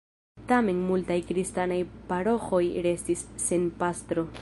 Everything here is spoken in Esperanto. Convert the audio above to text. Tamen multaj kristanaj paroĥoj restis sen pastro.